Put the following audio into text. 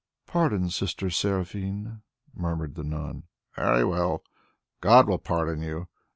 '" "Pardon, Sister Seraphine," murmured the nun. "Very well! God will pardon you.